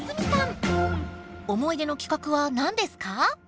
思い出の企画は何ですか？